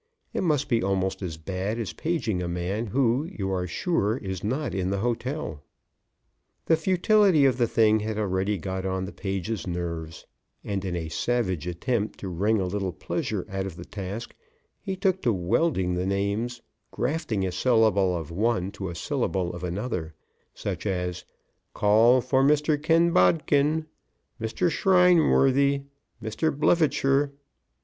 It must be almost as bad as paging a man who you are sure is not in the hotel. The futility of the thing had already got on the page's nerves, and in a savage attempt to wring a little pleasure out of the task he took to welding the names, grafting a syllable of one to a syllable of another, such as "Call for Mr. Kenbodkin Mr. Shrineworthy Mr. Blevitcher."